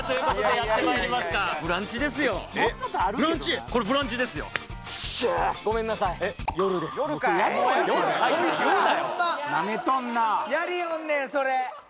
やりよんねんそれ